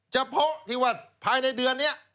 เฉพาะที่ว่าภายในเดือนนี้